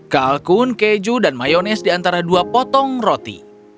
kalkun keju dan mayonis di antara dua potong roti